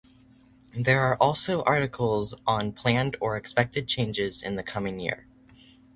There are also articles on planned or expected changes in the coming year.